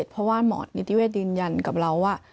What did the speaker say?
เพราะว่าหมอนิติเวศยืนยันกับเราว่า